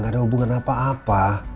gak ada hubungan apa apa